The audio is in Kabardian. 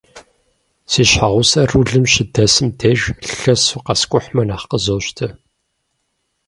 Си щхьэгъусэр рулым щыдэсым деж, лъэсу къэскӏухьмэ нэхъ къызощтэ.